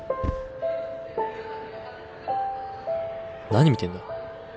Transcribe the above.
何見てんだ？